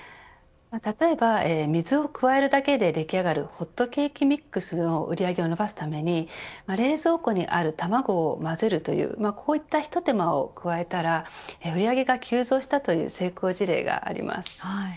例えば水を加えるだけででき上がるホットケーキミックスの売り上げを伸ばすために冷蔵庫にある卵をまぜるというこういった、ひと手間を加えたら売り上げが急増したという成功事例があります。